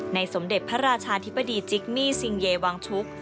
สมเด็จพระราชาธิบดีจิกมี่ซิงเยวังชุก